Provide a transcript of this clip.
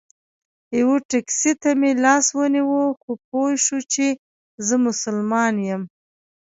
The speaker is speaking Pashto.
یوه ټیکسي ته مې لاس ونیو خو پوی شو چې زه مسلمان یم.